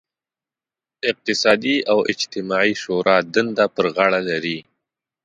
اقتصادي او اجتماعي شورا دنده پر غاړه لري.